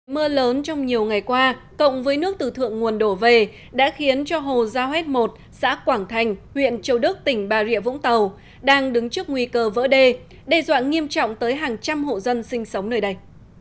mưa lớn trong nhiều ngày qua cộng với nước từ thượng nguồn đổ về đã khiến cho hồ gia một xã quảng thành huyện châu đức tỉnh bà rịa vũng tàu đang đứng trước nguy cơ vỡ đê đe dọa nghiêm trọng tới hàng trăm hộ dân sinh sống nơi đây